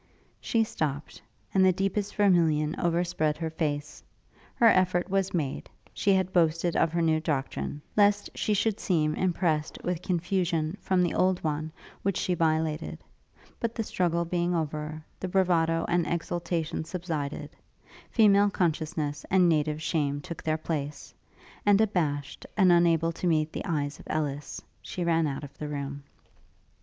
She stopt, and the deepest vermillion overspread her face; her effort was made; she had boasted of her new doctrine, lest she should seem impressed with confusion from the old one which she violated; but the struggle being over, the bravado and exultation subsided; female consciousness and native shame took their place; and abashed, and unable to meet the eyes of Ellis, she ran out of the room.